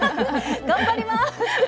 頑張ります！